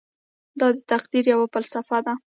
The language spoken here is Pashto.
دا د تقدیر یوه فلسفه ده.